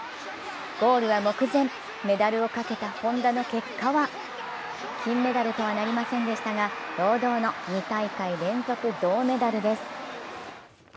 ゴールは目前、メダルをかけた本多の結果は金メダルとはなりませんでしたが堂々の２大会連続銅メダルです。